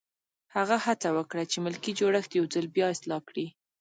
هغه هڅه وکړه چې ملکي جوړښت یو ځل بیا اصلاح کړي.